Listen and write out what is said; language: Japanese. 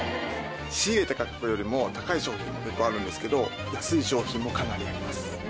仕入れた価格よりも高い商品も結構あるんですけど、安い商品もかなりあります。